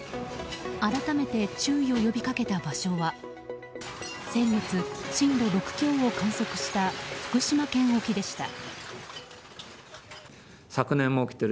改めて注意を呼びかけた場所は先月、震度６強を観測した福島県沖でした。